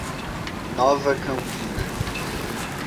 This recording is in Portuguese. Nova Campina